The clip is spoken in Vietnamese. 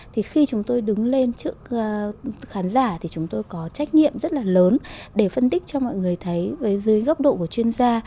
thì khi chúng tôi đứng lên trước khán giả thì chúng tôi có trách nhiệm rất là lớn để phân tích cho mọi người thấy dưới góc độ của chuyên gia